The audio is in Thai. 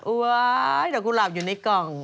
ดอกกุหลาบอยู่ในกล่อง